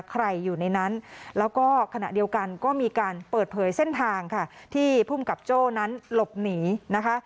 อยู่ในนั้นแล้วก็ขณะเดียวกันก็มีการเปิดเผยเส้นทางค่ะที่ภูมิกับโจ้นั้นหลบหนีนะคะ